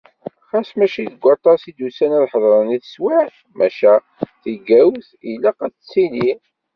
Ɣas mačči deg waṭas i d-usan ad ḥeḍren i teswiɛt, maca tigawt ilaq ad d-tili.